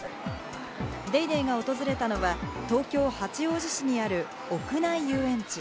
『ＤａｙＤａｙ．』が訪れたのは、東京・八王子市にある屋内遊園地。